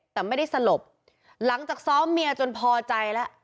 แต่ไม่ได้สลบหลังจากซ้อมเมียจนพอใจแล้ว